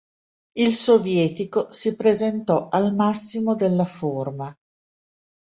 Il sovietico si presentò al massimo della forma.